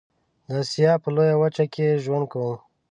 د آسيا په لويه وچه کې ژوند کوم.